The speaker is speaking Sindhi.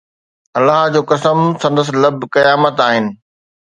الله جو قسم، سندس لب قيامت آهن